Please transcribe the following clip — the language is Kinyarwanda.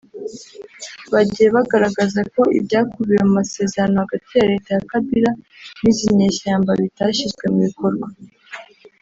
bagiye bagaragaza ko ibyakubiwe mu masezerano hagati ya Leta ya Kabila n’izi nyeshyamba bitashyizwe mu bikorwa